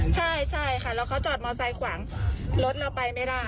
ใช่ใช่ค่ะแล้วเขาจอดมอไซคขวางรถเราไปไม่ได้